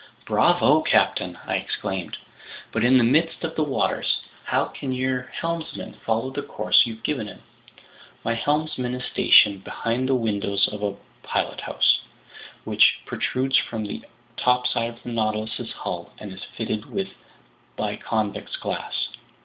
"Bravo, captain!" I exclaimed. "But in the midst of the waters, how can your helmsman follow the course you've given him?" "My helmsman is stationed behind the windows of a pilothouse, which protrudes from the topside of the Nautilus's hull and is fitted with biconvex glass."